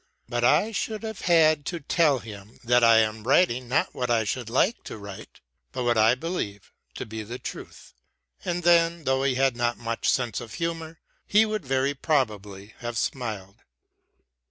But I should have had to tell him that I am writing not what I should like to write, but what I believe to be the truth ; and then, though he had not much sense of humour, he would very probably have smiled.